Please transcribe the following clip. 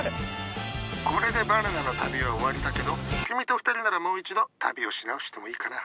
これでバナナの旅は終わりだけど君と２人ならもう一度旅をし直してもいいかな。